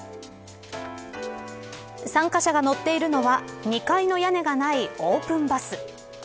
参加者が乗っているのは２階の屋根がないオープンバス。